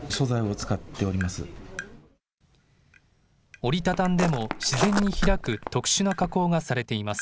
折り畳んでも自然に開く特殊な加工がされています。